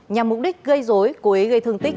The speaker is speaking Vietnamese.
nhằm mục đích gây dối cố ý gây thương tích